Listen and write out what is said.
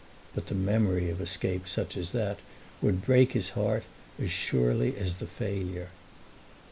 But the memory of escape such as that would break his heart as surely as the failure.